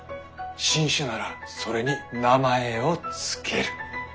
新種ならそれに名前を付ける。